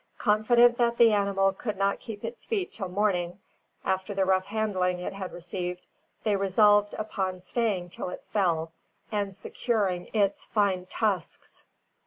Confident that the animal could not keep its feet till morning, after the rough handling it had received, they resolved upon staying till it fell, and securing its fine tusks.